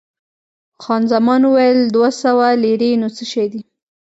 خان زمان وویل، دوه سوه لیرې نو څه شی دي؟